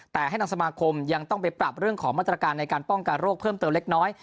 แต่ให้ทางสมาคมยังต้องไปปรับเรื่องของมาตรการในการป้องกันโรคเพิ่มเติมเล็กน้อย